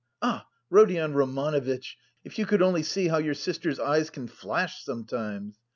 Ah, Rodion Romanovitch, if you could only see how your sister's eyes can flash sometimes!